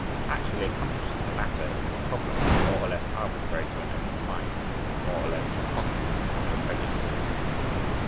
Actually accomplishing the latter is a problem, more or less arbitrary to an open mind, more or less impossible to a prejudiced mind.